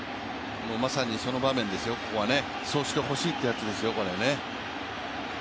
まさにその場面ですよ、そうしてほしいってやつですよ。